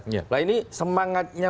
nah ini semangatnya